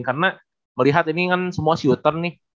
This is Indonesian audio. karena melihat ini kan semua shooter nih